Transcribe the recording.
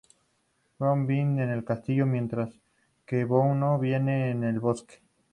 Gramo vive en el castillo, mientras que Buono vive en el bosque.